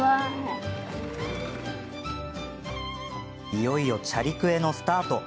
いよいよチャリクエのスタート。